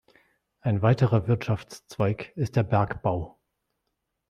Ein weiterer Wirtschaftszweig ist der Bergbau.